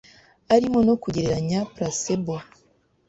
arimo no kugereranya placebo